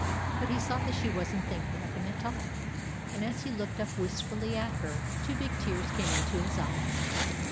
But he saw that she was n't thinking of him at all ; and as he looked up wistfully at her, two big tears came into his eyes.